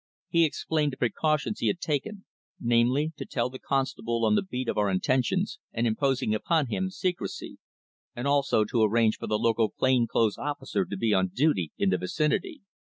He explained the precautions he had taken, namely, to tell the constable on the beat of our intentions, and imposing upon him secrecy, and also to arrange for the local plain clothes officer to be on duty in the vicinity.